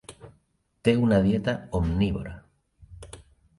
Té una dieta omnívora.